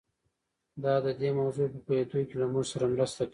دا د دې موضوع په پوهېدو کې له موږ سره مرسته کوي.